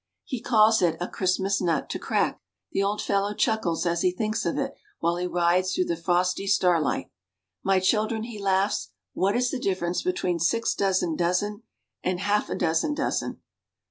He calls it a Christmas nut to crack. The old fellow chuckles as he thinks of it while he rides through the frosty starlight. "My children," he laughs, "what is the difference between six dozen dozen and half a dozen dozen?"